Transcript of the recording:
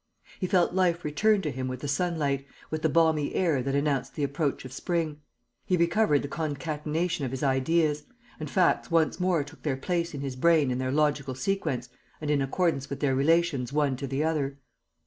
He felt life return to him with the sunlight, with the balmy air that announced the approach of spring. He recovered the concatenation of his ideas; and facts once more took their place in his brain in their logical sequence and in accordance with their relations one to the other.